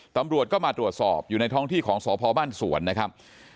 ตำรวจก็มาตรวจสอบอยู่ในท้องที่ของสพบ้านสวนนะครับ